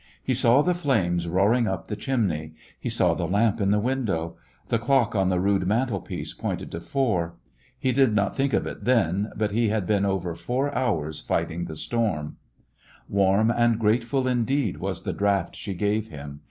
He saw the flames roaring up the chimney. He saw the lamp in the window. The clock on the rude mantelpiece pointed to four. He did not think of it then, but he had been A Christmas When over four hours fighting the storm. Warm and grateful indeed was the draught she gave him.